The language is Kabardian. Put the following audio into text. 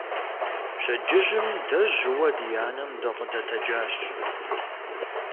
Пщэдджыжьым дэ жьыуэ ди анэм дыкъыдэтэджащ.